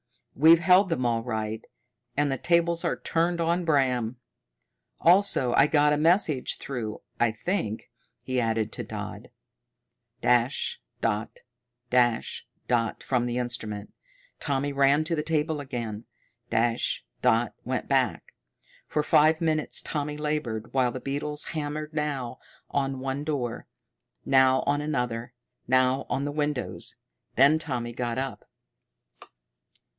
"We've held them all right, and the tables are turned on Bram. Also I got a message through, I think," he added to Dodd. Dash dot dash dot from the instrument. Tommy ran to the table again. Dash dot went back. For five minutes Tommy labored, while the beetles hammered now on one door, now on another, now on the windows. Then Tommy got up.